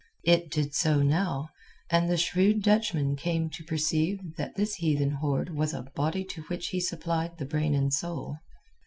It did so now, and the shrewd Dutchmen came to perceive that this heathen horde was as a body to which he supplied the brain and soul.